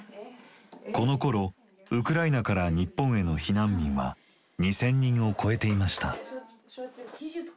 このころウクライナから日本への避難民は２，０００人を超えていました。